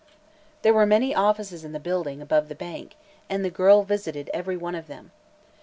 There were many offices in the building, above the bank, and the girl visited every one of them.